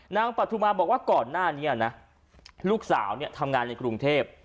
ปฐุมาบอกว่าก่อนหน้านี้นะลูกสาวเนี่ยทำงานในกรุงเทพ